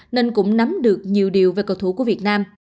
nên cũng nắm được nhiều điều về cầu thủ của việt nam